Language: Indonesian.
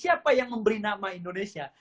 siapa yang memberi nama indonesia